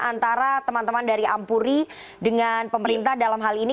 antara teman teman dari ampuri dengan pemerintah dalam hal ini